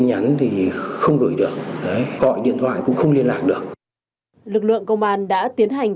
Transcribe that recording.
nhận thêm thông tin từ chủ nhật bảninkant cheers the youth of bảnank khut com